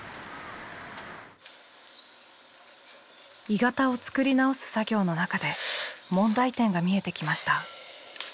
鋳型を作り直す作業の中で問題点が見えてきました。